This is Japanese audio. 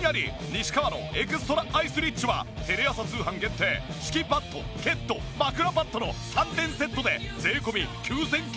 西川のエクストラアイスリッチはテレ朝通販限定敷きパッドケット枕パッドの３点セットで税込９９８０円。